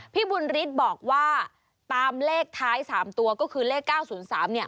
พี่บุญฤทธิ์บอกว่าตามเลขท้าย๓ตัวก็คือเลข๙๐๓เนี่ย